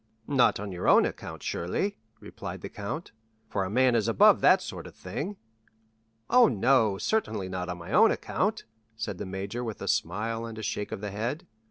"Not on your own account, surely," replied Monte Cristo; "for a man is above that sort of thing?" "Oh, no, certainly not on my own account," said the major with a smile and a shake of the head.